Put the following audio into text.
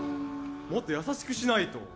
もっと優しくしないと。